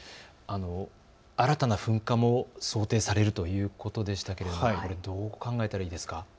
新たな噴火も想定されるということでしたけれどもどう考えたらいいですか。